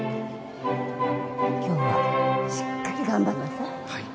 今日はしっかり頑張んなさい。